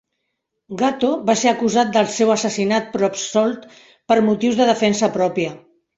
Gatto va ser acusat del seu assassinat però absolt per motius de defensa pròpia.